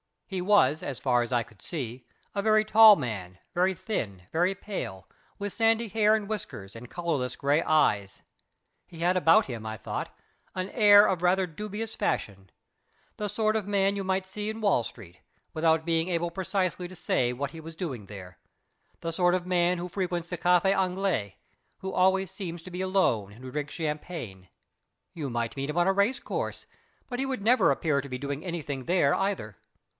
He was, as far as I could see, a very tall man, very thin, very pale, with sandy hair and whiskers and colourless grey eyes. He had about him, I thought, an air of rather dubious fashion; the sort of man you might see in Wall Street, without being able precisely to say what he was doing there the sort of man who frequents the Café Anglais, who always seems to be alone and who drinks champagne; you might meet him on a racecourse, but he would never appear to be doing anything there either.